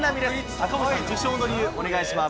赤星さん、受賞の理由、お願いします。